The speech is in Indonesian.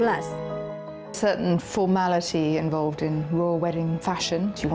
ada formalitas tertentu dalam pakaian pernikahan kerajaan